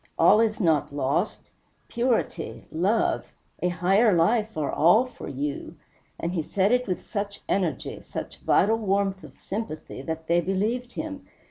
All is not lost. Purity, love, a higher life, are all for you," and he said it with such energy, such vital warmth of sympathy, that they believed him.